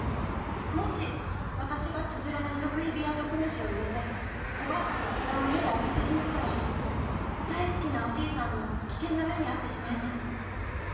もし私がつづらに毒蛇や毒虫を入れておばあさんがそれを家で開けてしまったら大好きなおじいさんも危険な目に遭ってしまいます。